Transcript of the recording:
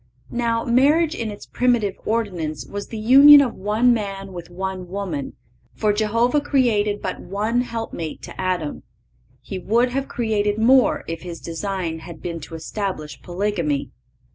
Now, marriage in its primitive ordinance was the union of one man with one woman, for Jehovah created but one helpmate to Adam. He would have created more, if His design had been to establish polygamy.